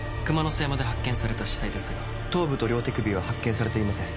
背山で発見された死体ですが頭部と両手首は発見されていません。